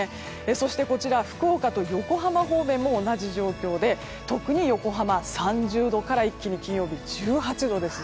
そして、福岡と横浜も同じ状況で、特に横浜は３０度から一気に気温が１８度です。